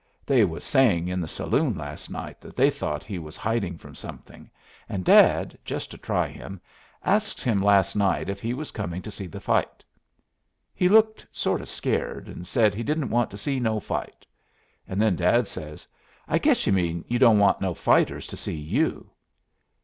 They was saying in the saloon last night that they thought he was hiding from something, and Dad, just to try him, asks him last night if he was coming to see the fight. He looked sort of scared, and said he didn't want to see no fight. And then Dad says, 'I guess you mean you don't want no fighters to see you.'